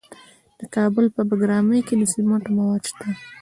د کابل په بګرامي کې د سمنټو مواد شته.